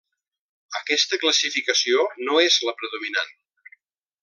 Aquesta classificació no és la predominant.